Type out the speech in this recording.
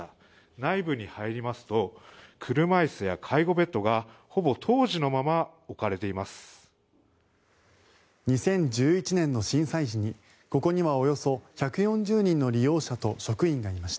内部に入りますと車椅子や介護ベッドがほぼ当時のまま置かれています。